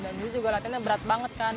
dan itu juga latihannya berat banget kan